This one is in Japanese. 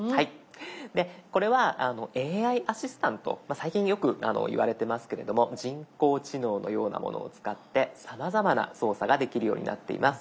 最近よく言われてますけれども人工知能のようなものを使ってさまざまな操作ができるようになっています。